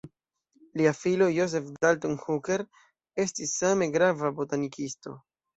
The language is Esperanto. Lia filo Joseph Dalton Hooker estis same grava botanikisto.